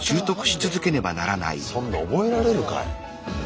そんな覚えられるかい。